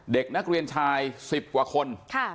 เด็กนักเรียนชาย๑๐กว่าคน